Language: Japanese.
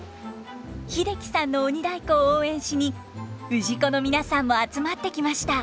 英樹さんの鬼太鼓を応援しに氏子の皆さんも集まってきました。